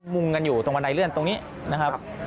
มุมกันอยู่ตรงบันไดเลื่อนตรงนี้นะครับ